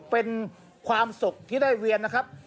เป็นความสุขที่ได้เวียนนะครับ